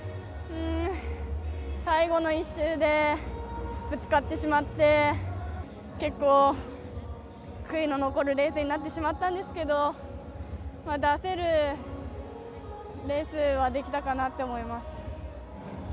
最後の１周でぶつかってしまって、結構悔いの残るレースになってしまったんですけど、出せるレースはできたかなって思います。